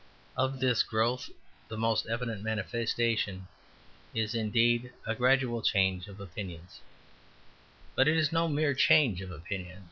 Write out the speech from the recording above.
Of this growth the most evident manifestation is indeed a gradual change of opinions; but it is no mere change of opinions.